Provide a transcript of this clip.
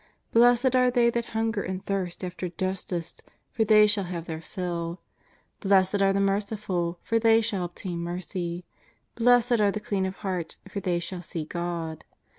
" Blessed are they that hunger and thirst after jus tice, for they shall have their fill. " Blessed are the merciful, for they shall obtain mercy. " Blessed are the clean of heart, for they shall see God.